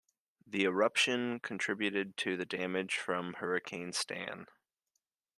The eruption contributed to the damage from Hurricane Stan.